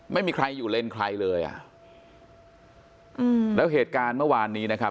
ไม่มีใครอยู่เลนใครเลยอ่ะอืมแล้วเหตุการณ์เมื่อวานนี้นะครับ